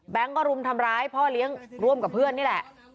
ก็รุมทำร้ายพ่อเลี้ยงร่วมกับเพื่อนนี่แหละ